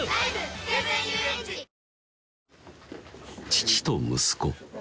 父と息子